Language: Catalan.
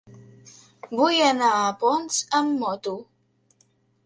Vull anar a Ponts amb moto.